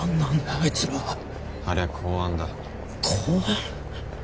あいつらありゃ公安だ公安？